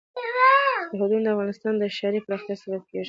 سرحدونه د افغانستان د ښاري پراختیا سبب کېږي.